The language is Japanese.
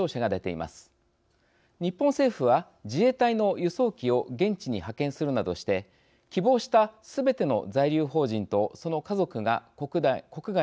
日本政府は自衛隊の輸送機を現地に派遣するなどして希望したすべての在留邦人とその家族が国外に退避しました。